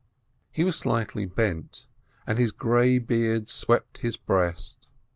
He was slightly bent, and his grey beard swept his breast.